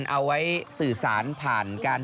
เอาไว้สื่อสารผ่านการ